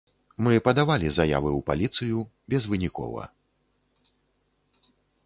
Мы падавалі заявы ў паліцыю, безвынікова.